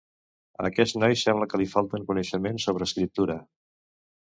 A aquest noi sembla que li falten coneixements sobre escriptura.